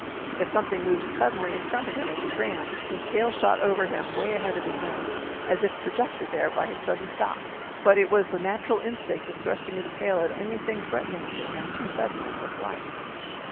If something moved suddenly in front of him as he ran, his tail shot over him away ahead of his nose, as if projected there by his sudden stop. But it was the natural instinct of thrusting his tail at anything threatening him too suddenly for flight.